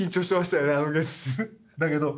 だけど。